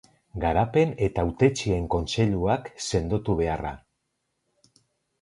Garapen eta Hautetsien kontseiluak sendotu beharra.